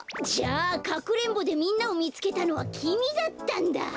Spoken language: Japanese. じゃあかくれんぼでみんなをみつけたのはきみだったんだ。